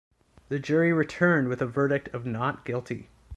The jury returned with a verdict of not guilty.